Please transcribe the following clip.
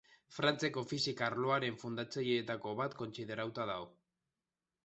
Frantziako fisika arloaren fundatzaileetako bat kontsideratua dago.